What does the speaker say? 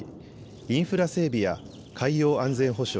インフラ整備や海洋安全保障